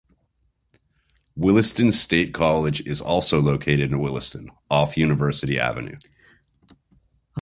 Williston State College is also located in Williston, off University Avenue.